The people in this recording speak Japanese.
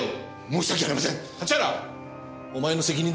申し訳ありません。